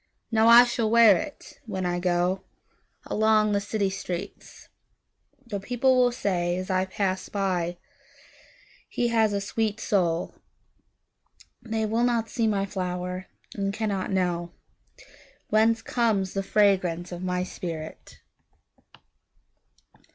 Now I shall wear itWhen I goAlong the city streets:The people will sayAs I pass by—"He has a sweet soul!"They will not see my flower, And cannot knowWhence comes the fragrance of my spirit!